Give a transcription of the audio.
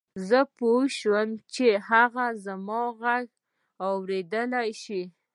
زه پوه شوم چې هغه زما غږ اورېدلای شي